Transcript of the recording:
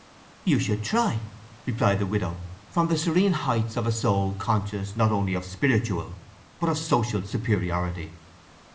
"You should try," replied the widow, from the serene heights of a soul conscious not only of spiritual but of social superiority.